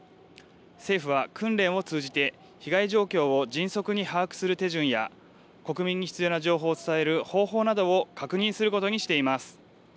政府は訓練を通じて被害状況を迅速に把握する手順や国民に必要な情報を伝える方法などを確認することにしています。